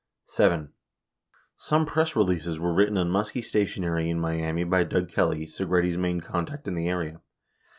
73 7. Some press releases were written on Muskie stationery in Miami by Doug Kelly, Segretti's main contact in the area.